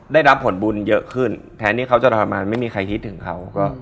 ได้รับผลบุญเยอะขึ้นแทนที่เขาจะทรมานไม่มีใครคิดถึงเขา